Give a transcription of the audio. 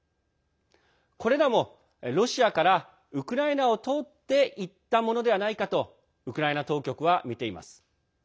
これらもロシアからウクライナを通っていったものではないかとウクライナ当局はみています。